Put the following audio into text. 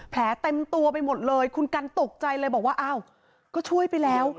แผลเต็มตัวไปหมดเลยคุณกันตกใจเลยบอกว่าอ้าวก็ช่วยไปแล้ว